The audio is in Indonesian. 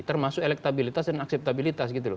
termasuk elektabilitas dan akseptabilitas gitu loh